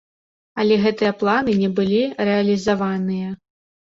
Але гэтыя планы не былі рэалізаваныя.